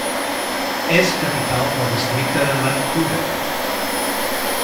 És capital del districte de Mathura.